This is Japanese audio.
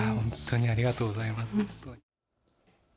ありがとうございます。